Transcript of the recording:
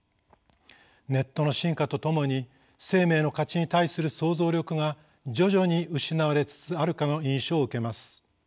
ネットの進化とともに生命の価値に対する想像力が徐々に失われつつあるかの印象を受けます。